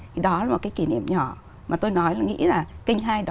thì đó là một cái kỷ niệm nhỏ mà tôi nói là nghĩ là kênh hai đó